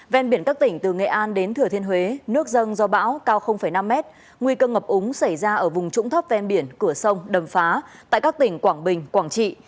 ven biển các tỉnh từ nghệ an đến thừa thiên huế nước dâng do bão cao năm m nguy cơ ngập úng xảy ra ở vùng trũng thấp ven biển cửa sông đầm phá tại các tỉnh quảng bình quảng trị